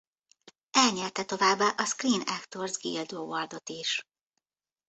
Elnyerte továbbá a Screen Actors Guild Award-ot is.